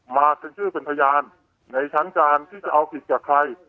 มาเป็นชื่อเป็นพยานในชั้นการที่จะเอาผิดกับใคร